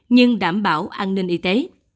nhưng đảm bảo an ninh y tế